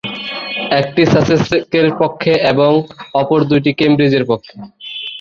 একটি সাসেক্সের পক্ষে ও অপর দুইটি কেমব্রিজের পক্ষে।